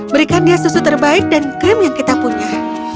berikan dia susu terbaik dan krim yang kita punya